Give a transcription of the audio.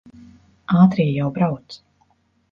Ātrie jau brauc.